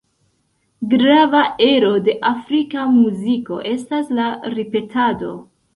Grava ero de afrika muziko estas la ripetado.